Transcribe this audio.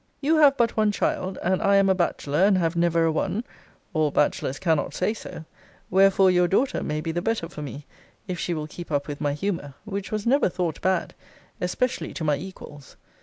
You have but one child; and I am a bachelor, and have never a one all bachelors cannot say so: wherefore your daughter may be the better for me, if she will keep up with my humour; which was never thought bad: especially to my equals.